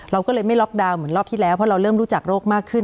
เราก็เลยไม่ล็อกดาวน์เหมือนรอบที่แล้วเพราะเราเริ่มรู้จักโรคมากขึ้น